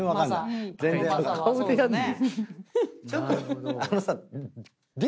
ちょっとあのさ。